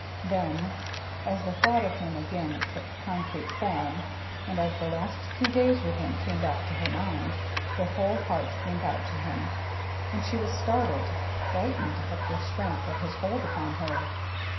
Then, as the thought of him again took concrete form, and as the last two days with him came back to her mind, her whole heart went out to him, and she was startled, frightened at the strength of his hold upon her.